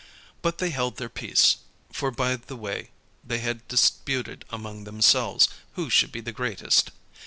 But they held their peace: for by the way they had disputed among themselves, who should be the greatest.